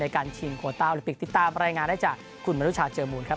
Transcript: ในการชิงโกต้าหรือปิดติดตามรายงานได้จากคุณบริธุชาเจอร์มูลครับ